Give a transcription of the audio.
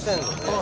あ